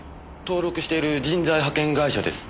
登録している人材派遣会社です。